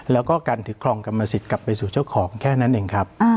แล้วก็การถือครองกรรมสิทธิ์กลับไปสู่เจ้าของแค่นั้นเองครับ